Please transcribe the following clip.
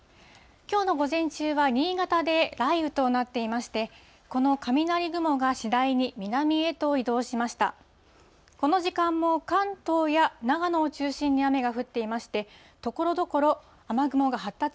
きょうの午前中は新潟で雷雨となっていまして、この雷雲が次第に南へと移動しました。